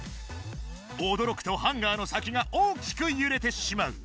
おどろくとハンガーの先が大きくゆれてしまう。